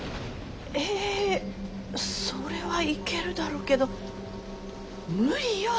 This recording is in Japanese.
えぇそれは行けるだろうけど無理よ